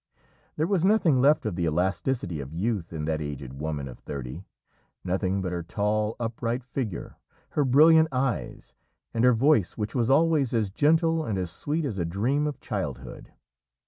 There was nothing left of the elasticity of youth in that aged woman of thirty nothing but her tall, upright figure, her brilliant eyes, and her voice, which was always as gentle and as sweet as a dream of childhood.